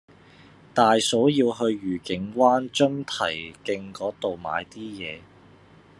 大嫂要去愉景灣津堤徑嗰度買啲嘢